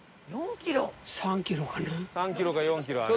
３キロか４キロある。